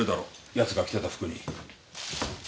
奴が着てた服に。